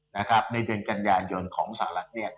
ในเดือนกันยายนของสหรัฐเนี่ย